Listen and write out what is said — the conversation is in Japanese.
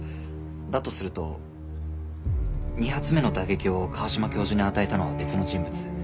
だとすると２発目の打撃を川島教授に与えたのは別の人物。